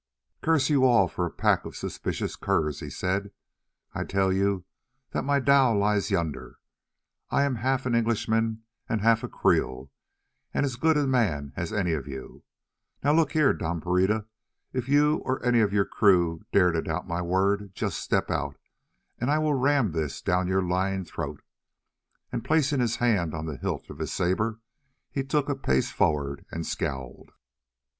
"Curse you all for a pack of suspicious curs!" he said; "I tell you that my dhow lies yonder. I am half an Englishman and half a Creole, and as good a man as any of you. Now look here, Dom Pereira, if you, or any of your crew, dare to doubt my word, just step out, and I will ram this down your lying throat;" and placing his hand on the hilt of his sabre, he took a pace forward and scowled.